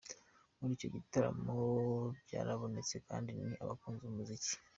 Muri icyo gitaramo byarabonetse kandi ko abakunzi bumuziki.